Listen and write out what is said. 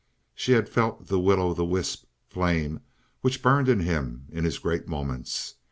She had felt the will o' the wisp flame which burned in him in his great moments.